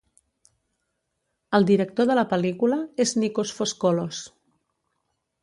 El director de la pel·lícula ésNikos Foskolos.